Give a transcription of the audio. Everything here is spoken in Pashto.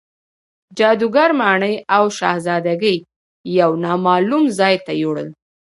جادوګر ماڼۍ او شهزادګۍ یو نامعلوم ځای ته یووړل.